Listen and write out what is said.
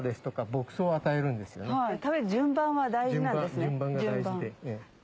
順番が大事で。